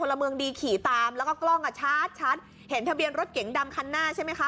ละเมืองดีขี่ตามแล้วก็กล้องอ่ะชัดชัดเห็นทะเบียนรถเก๋งดำคันหน้าใช่ไหมคะ